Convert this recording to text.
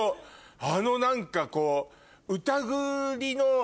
あの何かこう。